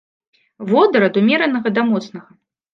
Водар ад умеранага да моцнага.